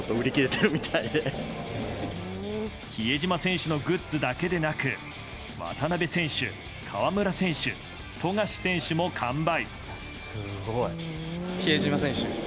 比江島選手のグッズだけでなく渡邊選手、河村選手富樫選手も完売。